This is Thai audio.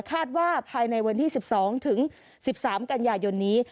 คาดว่าภายในวันที่สิบสองถึงสิบสามกันยายนนี้